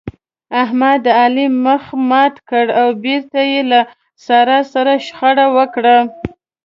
احمد د علي مخ مات کړ او بېرته يې له سارا سره شخړه وکړه.